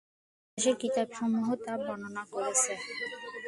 ইতিহাসের কিতাবসমূহ তা বর্ণনা করেছে।